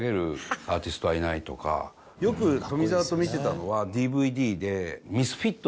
よく富澤と見てたのはＤＶＤで。